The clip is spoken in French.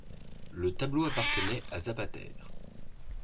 Le tableau appartenait à Zapater.